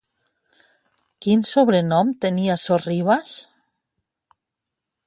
Quin sobrenom tenia Sorribas?